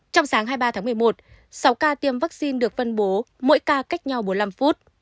trong sáng hai mươi ba tháng một mươi một sáu ca tiêm vaccine được phân bố mỗi ca cách nhau bốn mươi năm phút